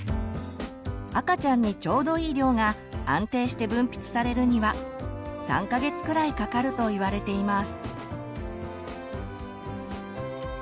赤ちゃんにちょうどいい量が安定して分泌されるには３か月くらいかかるといわれています。